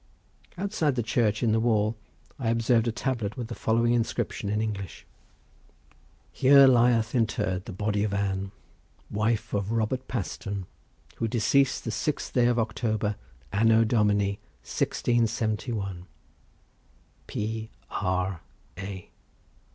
Outside the church, in the wall, I observed a tablet with the following inscription in English: Here lieth interred the body of Ann, wife of Robert Paston, who deceased the sixth day of October, Anno Domini 1671. R. P. A.